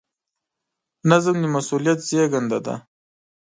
نظم د مسؤلیت زېږنده دی.